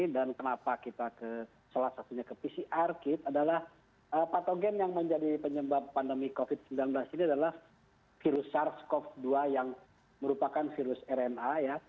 dan kenapa kita selesai saja ke pcr kit adalah patogen yang menjadi penyebab pandemi covid sembilan belas ini adalah virus sars cov dua yang merupakan virus rna ya